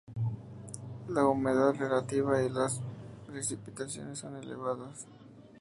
La humedad relativa y las precipitaciones son elevadas.